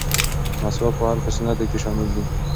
مسواک وهل په سنتو کې شامل دي.